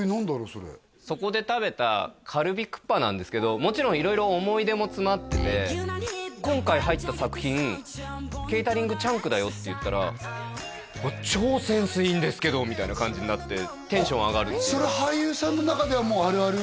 それそこで食べたカルビクッパなんですけどもちろん色々思い出も詰まってて今回入った作品ケータリングＣｈｕｎｋだよって言ったら「超センスいいんですけど」みたいな感じになってテンション上がるっていうそれ俳優さんの中ではもうあるある？